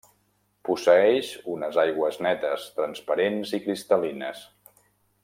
Posseeix unes aigües netes, transparents i cristal·lines.